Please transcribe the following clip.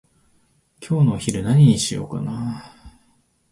今日のお昼何にしようかなー？